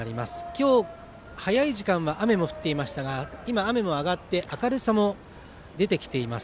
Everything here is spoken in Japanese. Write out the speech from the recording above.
今日早い時間は雨も降っていましたが今は雨も上がって明るさも出てきています。